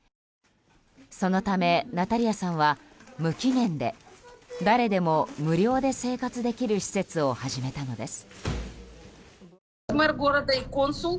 そのため、ナタリアさんは無期限で、誰でも無料で生活できる施設を始めたのです。